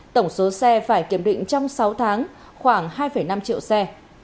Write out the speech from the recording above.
tổng số xe phải kiểm định trong sáu tháng khoảng hai năm triệu xe